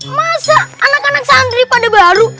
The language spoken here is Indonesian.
ke masa anak anak santri pada baru